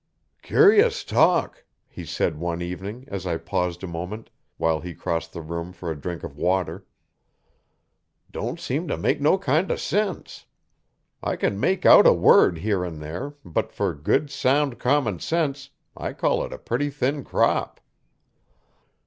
'Cur'us talk!' he said, one evening, as I paused a moment, while he crossed the room for a drink of water. 'Don' seem t' make no kind O' sense. I can make out a word here 'n there but fer good, sound, common sense I call it a purty thin crop.'